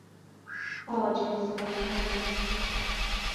عاجز ماندن